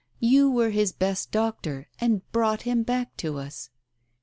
You were his best doctor, and brought him back to us."